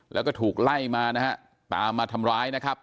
แล้วก็ถูกไล่มานะฮะตามมาทำร้ายนะครับ